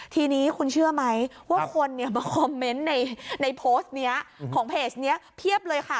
ทีนี้คุณเชื่อไหมว่าคนมาคอมเมนต์ในโพสต์นี้ของเพจนี้เพียบเลยค่ะ